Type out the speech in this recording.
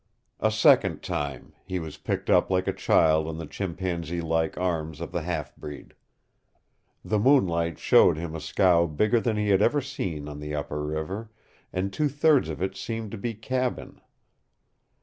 A second time he was picked up like a child in the chimpanzee like arms of the half breed. The moonlight showed him a scow bigger than he had ever seen on the upper river, and two thirds of it seemed to be cabin.